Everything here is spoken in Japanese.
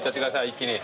一気に。